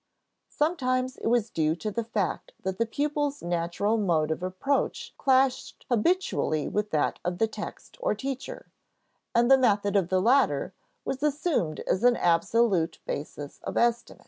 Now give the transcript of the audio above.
Sometimes it was due to the fact that the pupil's natural mode of approach clashed habitually with that of the text or teacher, and the method of the latter was assumed as an absolute basis of estimate.